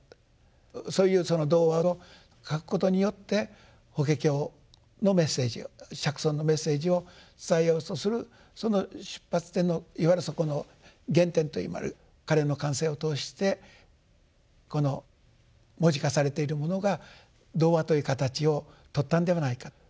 そういうその童話を書くことによって「法華経」のメッセージを釈尊のメッセージを伝えようとするその出発点のいわゆるそこの原点となる彼の感性を通して文字化されているものが童話という形を取ったんではないかと。